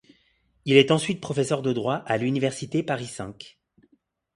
Il est ensuite professeur de droit à l'université Paris-V.